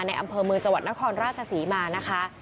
ในอำเผิมือจดนครราชสีมานะคะ